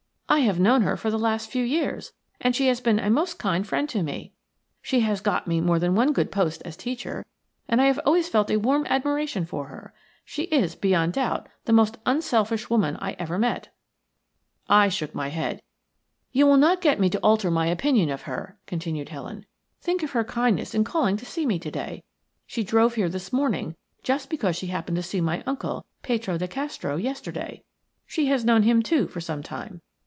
"I have known her for the last few years, and she has been a most kind friend to me. She has got me more than one good post as teacher, and I have always felt a warm admiration for her. She is, beyond doubt, the most unselfish woman I ever met." I shook my head. "You will not get me to alter my opinion of her," continued Helen. "Think of her kindness in calling to see me to day. She drove here this morning just because she happened to see my uncle, Petro de Castro, yesterday. She has known him, too, for some time.